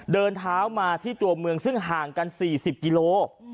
เดินเท้ามาที่ตัวเมืองซึ่งห่างกัน๔๐กิโล